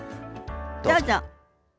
どうぞ。